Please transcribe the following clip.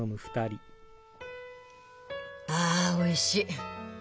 ああおいしい。